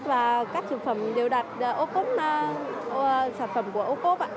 và các sản phẩm đều đặt sản phẩm của hợp tác xã